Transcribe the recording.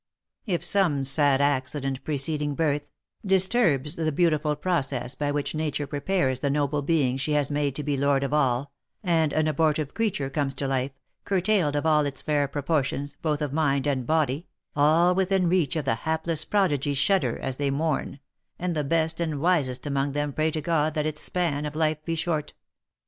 If some sad accident, preceding birth, disturbs the beautiful process by which nature prepares the noble being she has made to be lord of all, and an abortive crea ture comes to life, curtailed of all its fair proportions, botH of mind and body, all within reach of the hapless prodigy shudder as they mourn, and the best and wisest among them pray to God that its span of life be short.